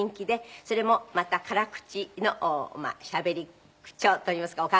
それもまた辛口のしゃべり口調といいますかお考え。